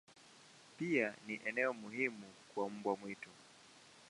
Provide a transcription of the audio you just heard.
Pia ni eneo muhimu kwa mbwa mwitu.